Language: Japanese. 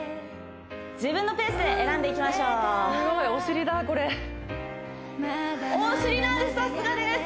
自分のペースで選んでいきましょうすごいお尻なんです